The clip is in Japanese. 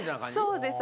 そうです。